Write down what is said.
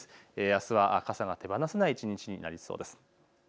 あすは傘が手放せない一日になりそうです。